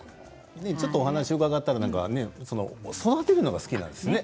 お話を伺ったら育てるのが好きなんですね